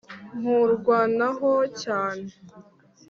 Nkurwanaho cyane